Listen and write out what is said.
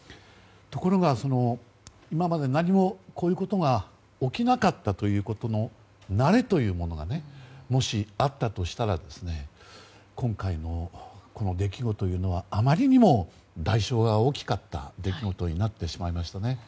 ところが、今まで何もこういうことが起きなかったということの慣れというものがもしあったとしたら今回のこの出来事というのはあまりにも代償が大きかった出来事になってしまいましたね。